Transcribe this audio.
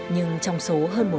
nhưng trong số hơn một số